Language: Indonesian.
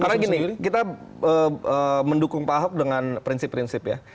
karena gini kita mendukung pak ahok dengan prinsip prinsip ya